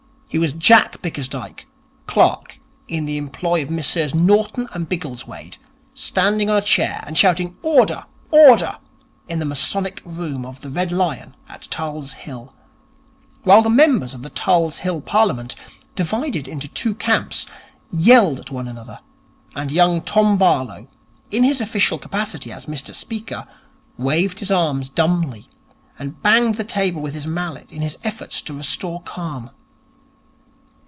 He was Jack Bickersdyke, clerk in the employ of Messrs Norton and Biggleswade, standing on a chair and shouting 'Order! order!' in the Masonic Room of the 'Red Lion' at Tulse Hill, while the members of the Tulse Hill Parliament, divided into two camps, yelled at one another, and young Tom Barlow, in his official capacity as Mister Speaker, waved his arms dumbly, and banged the table with his mallet in his efforts to restore calm.